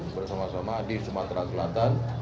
bersama sama di sumatera selatan